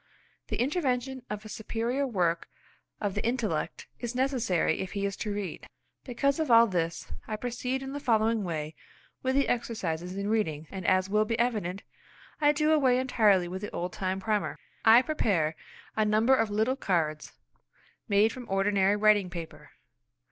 The intervention of a superior work of the intellect is necessary if he is to read. Because of all this, I proceed in the following way with the exercises in reading, and, as will be evident, I do away entirely with the old time primer. I prepare a number of little cards made from ordinary writing paper.